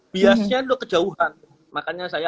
biasnya itu kejauhan makanya saya